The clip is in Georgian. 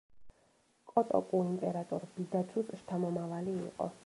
კოტოკუ იმპერატორ ბიდაცუს შთამომავალი იყო.